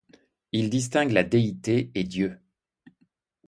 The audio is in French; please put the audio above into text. Il distingue la déité et Dieu.